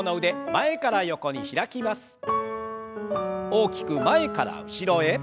大きく前から後ろへ。